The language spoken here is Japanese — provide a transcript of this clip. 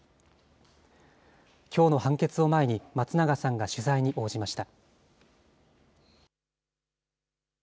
きょうの判決を前に、松永さんが取材に応じました。